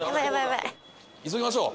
急ぎましょう！